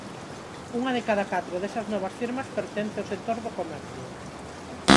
Unha de cada catro desas novas firmas pertence ao sector do comercio.